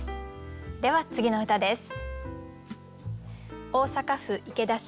では次の歌です。